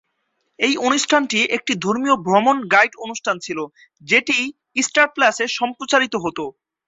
এই অনুষ্ঠানটি একটি ধর্মীয় ভ্রমণ গাইড অনুষ্ঠান ছিল; যেটি স্টার প্লাসে সম্প্রচারিত হতো।